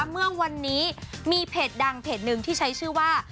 เมื่อวันนี้มีเพจดังเพจหนึ่งที่ใช้ชื่อว่า